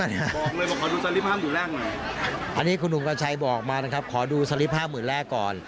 อันนี้คุณลุงกาชัยบอกมานะครับขอดูสลิป๕๐๐๐๐แรกก่อน